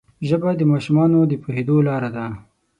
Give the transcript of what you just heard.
ژبه د ماشومانو د پوهېدو لاره ده